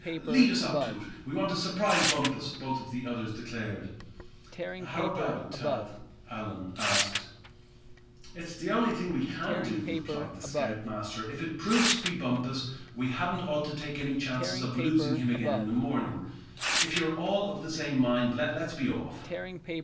"Lead us to it. We want to surprise Bumpus," both the others declared. "How about it, Thad?" Allan asked. "It's the only thing we can do," replied the scoutmaster. "If it proves to be Bumpus, we hadn't ought to take any chances of losing him again in the morning. If you're all of the same mind, let's be off."